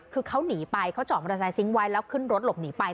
คือเขาหนีไปเขาจอดมอเตอร์ไซค์ทิ้งไว้แล้วขึ้นรถหลบหนีไป